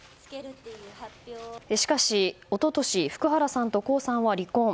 しかし、一昨年福原さんと江さんは離婚。